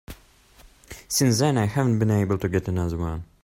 Since then I haven't been able to get another one.